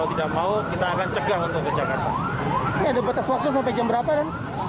ini ada batas waktu sampai jam berapa ren